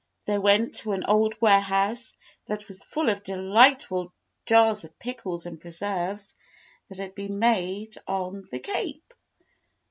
They went to an old warehouse that was full of delightful jars of pickles and preserves that had been made on the Cape.